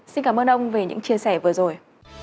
xin cảm ơn ông về những chia sẻ vừa rồi